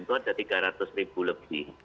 itu ada tiga ratus ribu lebih